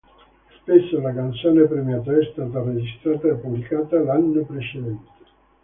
Spesso la canzone premiata è stata registrata o pubblicata l'anno precedente.